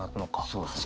そうですね。